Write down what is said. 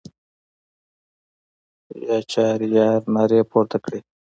یا چهاریار نارې پورته کړې.